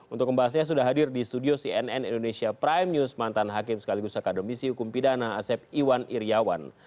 untuk membahasnya sudah hadir di studio cnn indonesia prime news mantan hakim sekaligus akademisi hukum pidana asep iwan iryawan